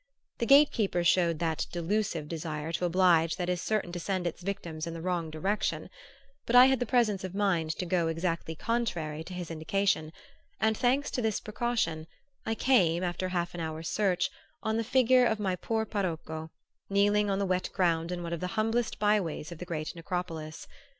The gate keeper showed that delusive desire to oblige that is certain to send its victims in the wrong direction; but I had the presence of mind to go exactly contrary to his indication, and thanks to this precaution I came, after half an hour's search, on the figure of my poor parocco, kneeling on the wet ground in one of the humblest by ways of the great necropolis.